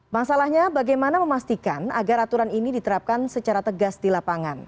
masalahnya bagaimana memastikan agar aturan ini diterapkan secara tegas di lapangan